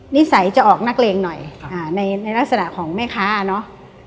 นิสัยจะออกนักเลงหน่อยในลักษณะของแม่ค้าเนอะ